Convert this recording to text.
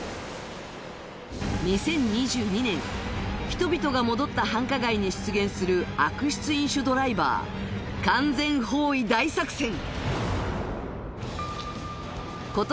人々が戻った繁華街に出現する悪質飲酒ドライバー完全包囲大作戦